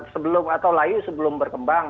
sebelum atau layu sebelum berkembang